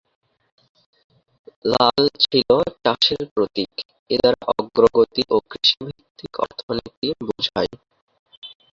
লাল ছিল চাষের প্রতীক, এ দ্বারা অগ্রগতি ও কৃষিভিত্তিক অর্থনীতি বোঝায়।